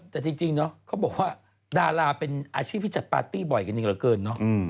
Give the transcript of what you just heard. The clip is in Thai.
แต่จริงเนาะเขาบอกว่าดาราเป็นอาชีพที่จัดปาร์ตี้บ่อยกันอีกเหลือเกินเนาะ